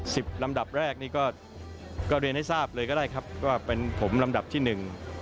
ลำดับแรกนี่ก็ก็เรียนให้ทราบเลยก็ได้ครับว่าเป็นผมลำดับที่หนึ่ง